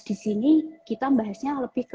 di sini kita membahasnya lebih ke